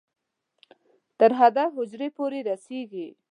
تر هدف حجرې پورې رسېږي.